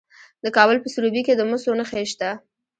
د کابل په سروبي کې د مسو نښې شته.